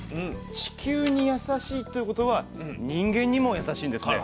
地球にやさしいということは人間にもやさしいんですね。